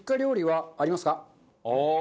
ああ。